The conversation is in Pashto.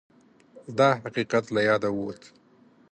دا حقیقت له یاده ووت